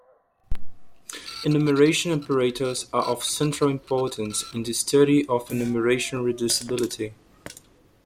Enumeration operators are of central importance in the study of enumeration reducibility.